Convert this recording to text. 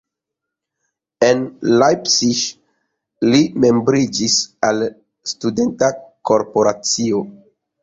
En Leipzig li membriĝis al studenta korporacio.